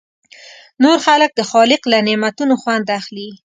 نور خلک د خالق له نعمتونو خوند اخلي.